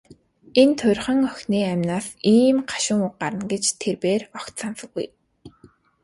Энэ турьхан охины амнаас ийм гашуун үг гарна гэж тэр бээр огт санасангүй.